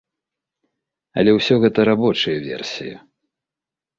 Але ўсё гэта рабочыя версіі.